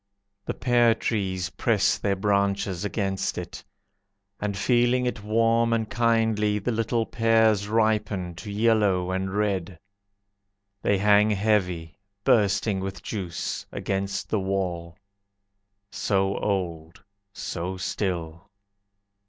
The pear trees press their branches against it, And feeling it warm and kindly, The little pears ripen to yellow and red. They hang heavy, bursting with juice, Against the wall. So old, so still!